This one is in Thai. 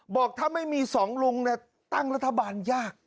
บอกถ้าไม่มีสองลุงตั้งรัฐบาลยาก